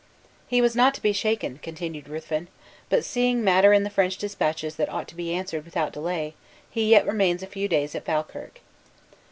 "He was not to be shaken," continued Ruthven; "but seeing matter in the French dispatches that ought to be answered without delay, he yet remains a few days at Falkirk."